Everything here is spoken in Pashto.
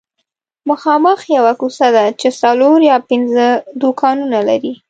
مخامخ یوه کوڅه ده چې څلور یا پنځه دوکانونه لري